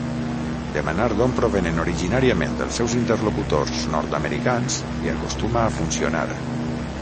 Demanar d'on provenen originàriament els seus interlocutors nord-americans li acostuma a funcionar.